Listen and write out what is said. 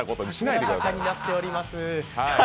満開となっております。